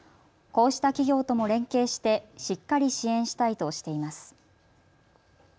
こうした企業とも連携してしっかり支援したいとしています。